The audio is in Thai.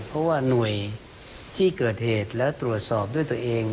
เพราะว่าหน่วยที่เกิดเหตุและตรวจสอบด้วยตัวเอง